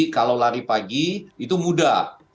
kalau lari pagi itu mudah